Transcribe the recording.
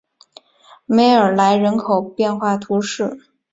梅尔莱人口变化图示